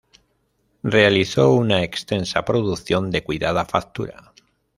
Realizó una extensa producción de cuidada factura.